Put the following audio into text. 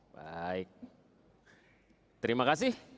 baik terima kasih